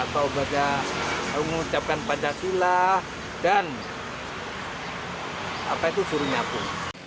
dia mengucapkan pancasila dan apa itu suruh nyapu